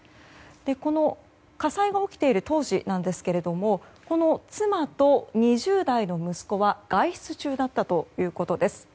この火災が起きている当時なんですけれども妻と２０代の息子は外出中だったということです。